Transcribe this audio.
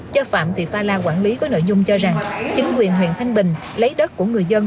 cho phạm thị pha la quản lý có nội dung cho rằng chính quyền huyện thanh bình lấy đất của người dân